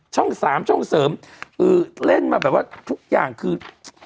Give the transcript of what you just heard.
ช่อง๓ช่องเสริมเล่นมาแบบว่าทุกอย่างคือ